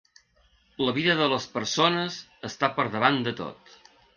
La vida de les persones està per davant de tot.